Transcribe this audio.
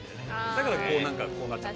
だからこうなっちゃった。